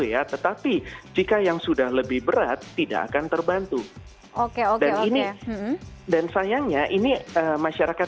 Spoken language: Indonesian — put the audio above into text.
ya tetapi jika yang sudah lebih berat tidak akan terbantu oke dan ini dan sayangnya ini masyarakat